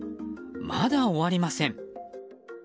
まだ終わりません。